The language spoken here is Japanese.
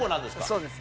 そうです。